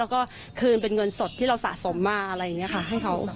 ก็คืนเป็นเงินสดที่เราสะสมมาอะไรอย่างนี้ค่ะให้เขา